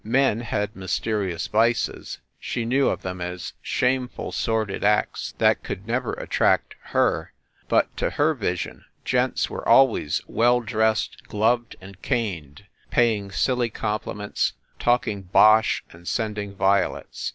Men had mysterious vices she knew of them as shame ful, sordid acts that could never attract her but to her vision gents were always well dressed, gloved and caned, paying silly compliments, talking bosh and sending violets.